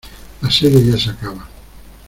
La serie ya se acaba.